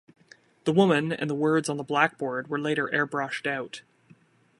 The woman and the words on the blackboard were later airbrushed out.